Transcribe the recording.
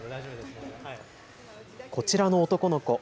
こちらの男の子。